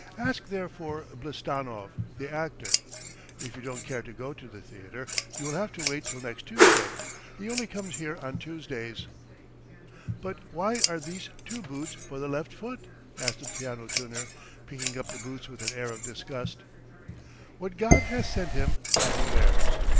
... Ask there for Blistanov, the actor. ... If you don't care to go to the theatre, you will have to wait till next Tuesday; he only comes here on Tuesdays. ..." "But why are there two boots for the left foot?" asked the piano tuner, picking up the boots with an air of disgust. "What God has sent him, that he wears.